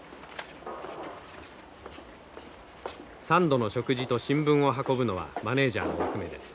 ３度の食事と新聞を運ぶのはマネージャーの役目です。